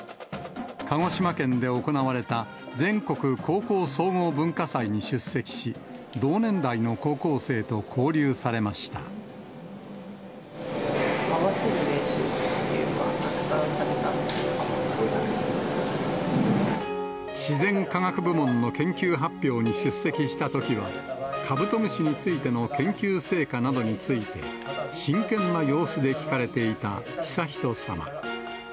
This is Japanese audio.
鹿児島県で行われた全国高校総合文化祭に出席し、合わせる練習というのは、自然科学部門の研究発表に出席したときは、カブトムシについての研究成果などについて、真剣な様子で聞かれていた悠仁さま。